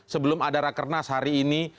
sebelum ada rakernas hari ini